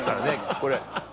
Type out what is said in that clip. これ。